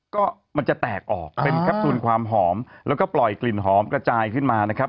ก็มันจะแตกออกเป็นแคปซูลความหอมแล้วก็ปล่อยกลิ่นหอมกระจายขึ้นมานะครับ